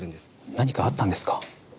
何かあったんですか？